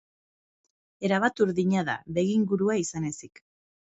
Erabat urdina da, begi ingurua izan ezik.